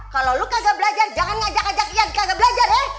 kalau lo kagak belajar jangan ngajak ajak ian kagak belajar eh